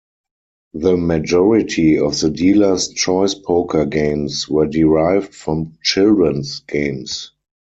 The majority of the dealer's choice poker games were derived from children's games.